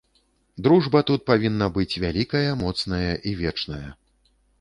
Дружба тут павінна быць вялікая, моцная і вечная.